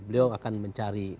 beliau akan mencari